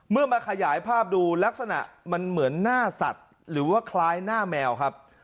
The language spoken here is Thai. มาขยายภาพดูลักษณะมันเหมือนหน้าสัตว์หรือว่าคล้ายหน้าแมวครับ